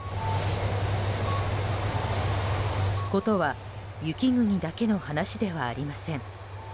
事は、雪国だけの話ではありません。